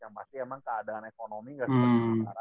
yang pasti emang keadaan ekonomi gak sempat